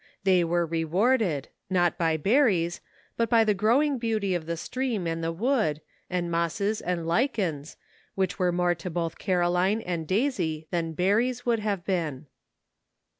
They were rewarded, not by berries, but by the growing beauty of the stream and the wood, and mosses and lichens, which were SOMETHING TO REMEMBER. 31 more to both Caroline and Daisy than berries would have been.